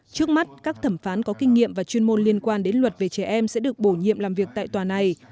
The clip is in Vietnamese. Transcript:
trước mắt các thẩm phán có kinh nghiệm và chuyên môn liên quan đến luật về trẻ em sẽ được bổ nhiệm làm việc tại tòa này